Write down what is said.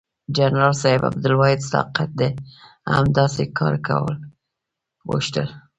جنرال صاحب عبدالواحد طاقت هم داسې کار کول غوښتل.